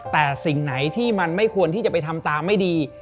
แต่สิ่งไหนที่มันไม่ควรที่จะไปทำตามไม่ดี